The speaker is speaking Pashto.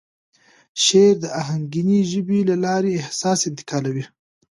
شعر د آهنګینې ژبې له لارې احساس انتقالوي.